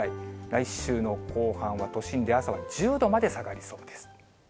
来週の後半は、都心で朝は１０度まで下がりそうです。